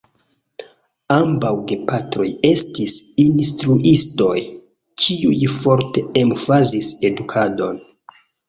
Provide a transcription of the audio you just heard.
Ambaŭ gepatroj estis instruistoj; kiuj forte emfazis edukadon.